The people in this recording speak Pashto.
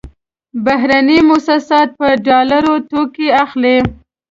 بهرني موسسات په ډالرو توکې اخلي.